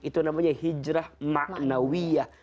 itu namanya hijrah maknawiah